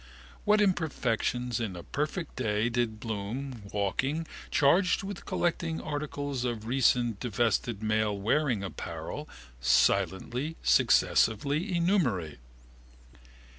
What imperfections in a perfect day did Bloom, walking, charged with collected articles of recently disvested male wearing apparel, silently, successively, enumerate?